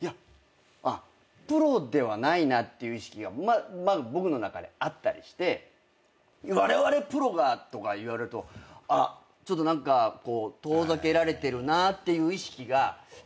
あっプロではないなって意識が僕の中であったりして「われわれプロが」とか言われるとちょっと何か遠ざけられてるなっていう意識が今もうだいぶ。